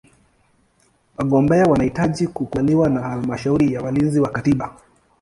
Wagombea wanahitaji kukubaliwa na Halmashauri ya Walinzi wa Katiba.